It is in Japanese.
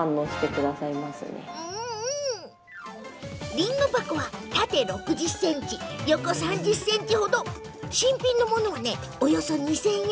りんご箱は、縦６０ｃｍ横３０ｃｍほど新品のものは、およそ２０００円。